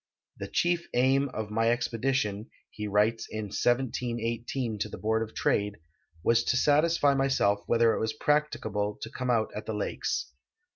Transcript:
" The chief aim of my expedition," he writes in 1718 to the Board of Trade, ''was to satisfy myself whether it was practicable to come at the lakes."